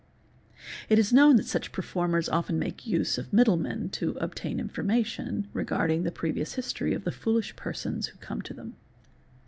It is known that such performers often make use of middlemen to — obtain information regarding the previous history of the foolish persons | who come to them.